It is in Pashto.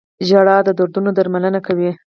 • ژړا د دردونو درملنه کوي.